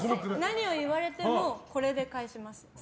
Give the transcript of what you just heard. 何を言われてもこれで返します。